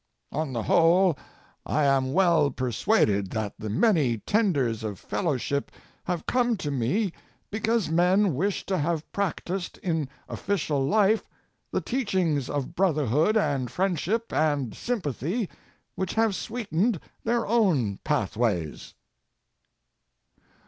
On the whole I am well persuaded that the many tenders of 393 Last Speeches of President Warren G. Harding fellowship have come to me because men wish to have practiced in official life the teachings of brotherhood and friendship and sympathy which have sweetened their own pathways.